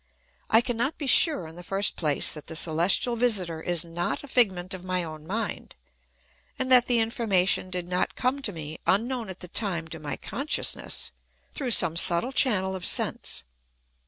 I cannot be sure, in the first place, that the celestial visitor is not a figment of my own mind, and that the information did not come to me, unknown at the time to my consciousness, through some subtle channel of sense.